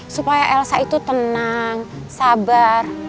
supaya elsa itu tenang sabar